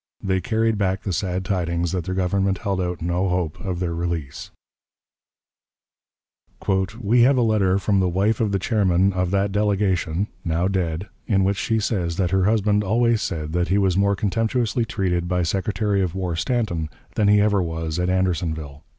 They carried back the sad tidings that their Government held out no hope of their release. "We have a letter from the wife of the chairman of that delegation (now dead) in which she says that her husband always said that he was more contemptuously treated by Secretary of War Stanton than he ever was at Andersonville."